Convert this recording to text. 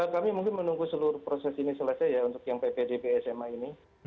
kami mungkin menunggu seluruh proses ini selesai ya untuk yang ppdb sma ini